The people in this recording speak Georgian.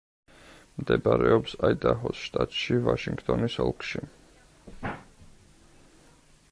მდებარეობს აიდაჰოს შტატში, ვაშინგტონის ოლქში.